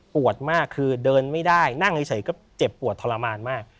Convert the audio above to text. มากคือเดินไม่ได้นั่งเฉยก็เจ็บปวดทรมานมาก